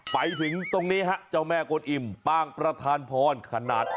ไปถึงตรงนี้ฮะเจ้าแม่กวนอิ่มปางประธานพรขนาด